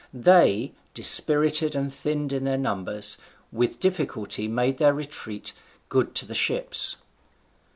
They, dispirited and thinned in their numbers, with difficulty made their retreat good to the ships.